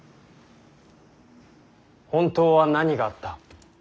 本当は何があった。